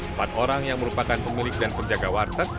empat orang yang merupakan pemilik dan penjaga warteg